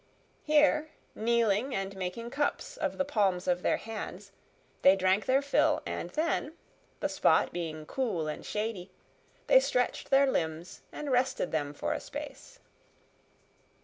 Here, kneeling and making cups of the palms of their hands, they drank their fill, and then, the spot being cool and shady, they stretched their limbs and rested them for a space.